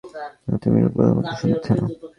আর তুমি রূপকথার মতোই সুন্দর, থেনা।